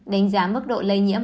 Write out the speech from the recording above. đánh giá mức độ lây nhiễm